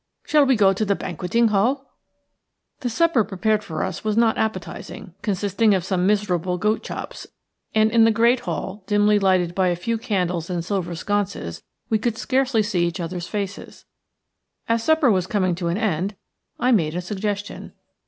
Shall we go to the banqueting hall?" The supper prepared for us was not appetizing, consisting of some miserable goat chops, and in the great hall, dimly lighted by a few candles in silver sconces, we could scarcely see each other's faces. As supper was coming to an end I made a suggestion.